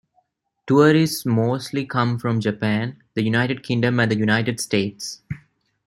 Tourists mostly come from Japan, the United Kingdom and the United States.